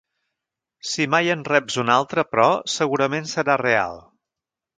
Si mai en reps una altra, però, segurament serà real.